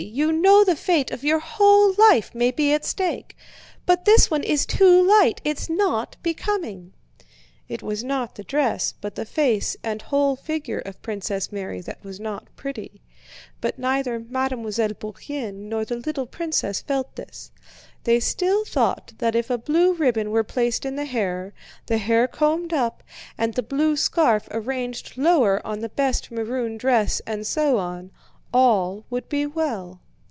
You know the fate of your whole life may be at stake. But this one is too light, it's not becoming!" It was not the dress, but the face and whole figure of Princess Mary that was not pretty, but neither Mademoiselle Bourienne nor the little princess felt this; they still thought that if a blue ribbon were placed in the hair, the hair combed up, and the blue scarf arranged lower on the best maroon dress, and so on, all would be well.